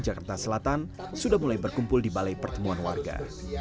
jakarta selatan sudah mulai berkumpul di balai pertemuan warga